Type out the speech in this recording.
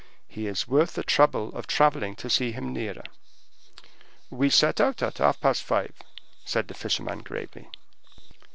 He is worth the trouble of travelling to see him nearer." "We set out at half past five," said the fisherman gravely.